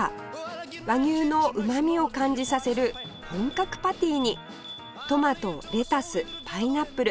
和牛のうまみを感じさせる本格パティにトマトレタスパイナップル